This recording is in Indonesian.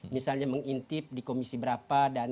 misalnya mengintip di komisi berapa